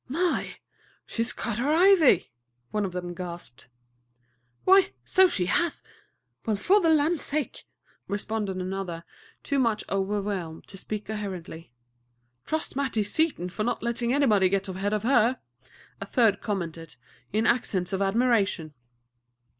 "My! She 's cut her ivy!" one of them gasped. "Why, so she has! Well, for the land's sake!" responded another, too much overwhelmed to speak coherently. "Trust Mattie Seaton for not letting anybody get ahead of her!" a third commented, in accents of admiration.